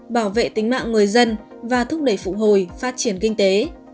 bảo vệ tính mạng người dân và thúc đẩy phụ hồi phát triển kinh tế